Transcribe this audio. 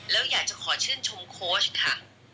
แล้วอยากจะขอชื่นชมโค้ชค่ะ